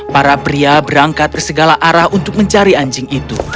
para pria berangkat bersegala arah untuk mencari anjing itu